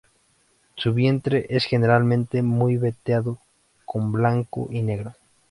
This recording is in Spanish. Su vientre es generalmente muy veteado con blanco y negro.